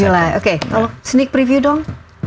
kalau sneak preview dong